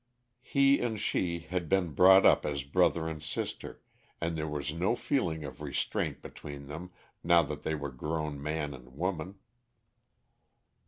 He and she had been brought up as brother and sister, and there was no feeling of restraint between them now that they were grown man and woman.